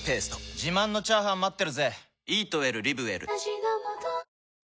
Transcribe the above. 自慢のチャーハン待ってるぜ！